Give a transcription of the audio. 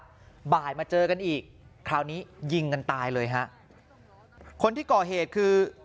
บ่ายมาเจอกันอีกคราวนี้ยิงกันตายเลยฮะคนที่ก่อเหตุคือ